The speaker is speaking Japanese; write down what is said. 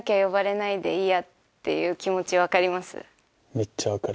めっちゃ分かる。